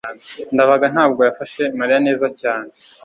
ndabaga ntabwo yafashe mariya neza cyane